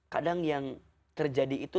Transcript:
kadang yang terjadi itu